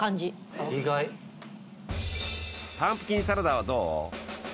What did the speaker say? パンプキンサラダはどう？